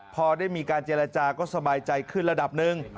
พอได้มีการเจรจาก็สบายใจขึ้นระดับหนึ่ง